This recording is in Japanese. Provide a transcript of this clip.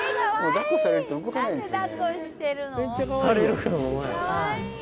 抱っこされると動けないんですよね